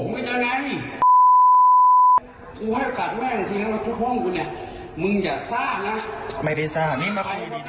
ไม่ได้ทราบนี่มาพูดดีนะ